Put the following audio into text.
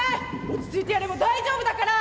落ち着いてやれば大丈夫だから。